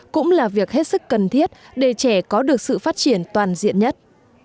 cũng là việc hết sức cần thiết để trẻ có được sự phát triển toàn diện nhất